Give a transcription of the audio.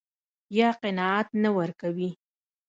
يا قناعت نه ورکوي.